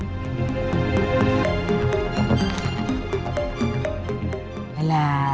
elah bisa banget lah pak rizal